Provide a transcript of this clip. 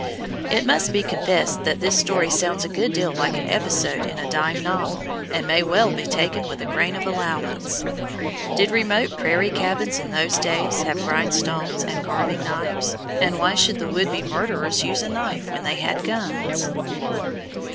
It must be confessed that this story sounds a good deal like an episode in a dime novel, and may well be taken with a grain of allowance. Did remote prairie cabins in those days have grindstones and carving knives? And why should the would be murderers use a knife when they had guns?